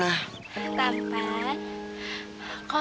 kalau kamu gak tahu mau pergi kemana